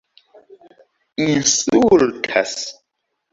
insultas